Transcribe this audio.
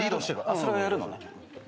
それをやるのね。